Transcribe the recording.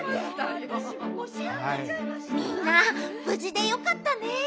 みんなぶじでよかったね。